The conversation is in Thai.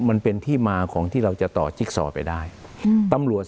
มันเป็นที่มาของที่เราจะต่อจิ๊กซอไปได้อืมตำรวจ